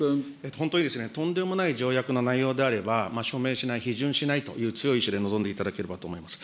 本当にとんでもない条約の内容であれば、署名しない、批准しないという強い意思で臨んでいただければと思います。